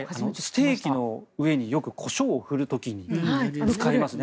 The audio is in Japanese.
ステーキの上によくコショウをふる時に使いますね。